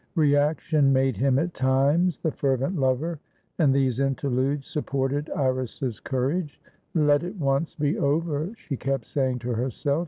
Reaction made him at times the fervent lover, and these interludes supported Iris's courage. "Let it once be over!" she kept saying to herself.